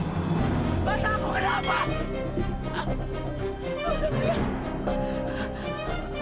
mata aku kenapa